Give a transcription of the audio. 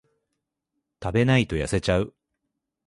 食べないと痩せちゃう